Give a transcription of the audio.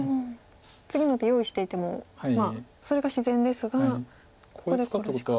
次の手用意していてもそれが自然ですがここで考慮時間。